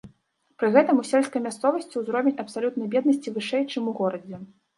Пры гэтым у сельскай мясцовасці ўзровень абсалютнай беднасці вышэй, чым у горадзе.